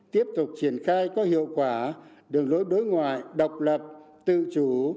tiếp tục triển khai có hiệu quả đường lối đối ngoại độc lập tự chủ